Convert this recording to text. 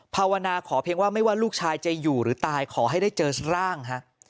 ภาวนาขอเพียงว่าไม่ว่าลูกชายจะอยู่หรือตายขอให้ได้เจอร่าง